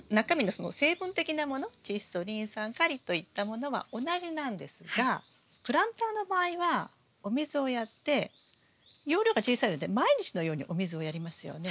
チッ素リン酸カリといったものは同じなんですがプランターの場合はお水をやって容量が小さいので毎日のようにお水をやりますよね。